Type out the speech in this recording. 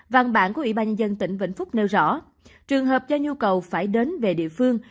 văn bản của ủy ban nhân dân tỉnh vĩnh phúc nêu rõ trường hợp do nhu cầu phải đến về địa phương